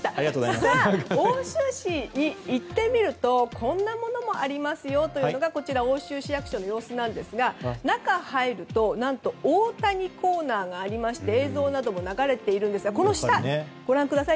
さて、奥州市に行ってみるとこんなものもありますよというのがこちら、奥州市役所の様子なんですが中に入ると、何と大谷コーナーがありまして映像なども流れているんですがこの下をご覧ください。